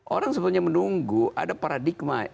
orang sebenarnya menunggu ada paradigma